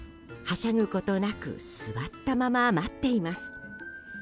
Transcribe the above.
はしゃぐことなく座ったまま待っています。